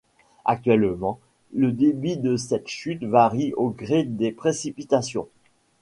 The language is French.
Actuellement le débit de cette chute varie au gré des précipitations.